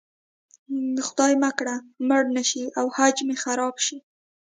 خدای مه کړه مړه نه شي او حج مې خراب شي.